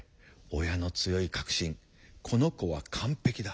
親の強い確信「この子は完璧だ」。